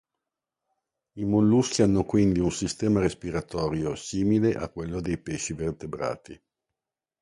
I molluschi hanno quindi un sistema respiratorio simile a quello dei pesci vertebrati.